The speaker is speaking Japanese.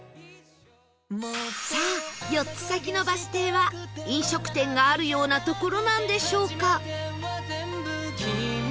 さあ４つ先のバス停は飲食店があるような所なんでしょうか？